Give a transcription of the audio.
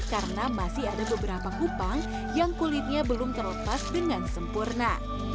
karena masih ada beberapa kupang yang kulitnya belum terlepas dengan sempurna